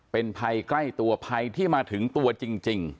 เป็นภัยใกล้ตัวภัยที่มาถึงตัวจริง